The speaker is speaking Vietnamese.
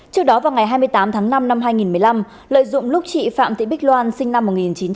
trước đó vào ngày hai mươi tám tháng năm năm hai nghìn một mươi năm lợi dụng lúc chị phạm thị bích loan sinh năm một nghìn chín trăm tám mươi